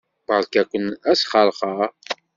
Beṛka-ken asxeṛxeṛ.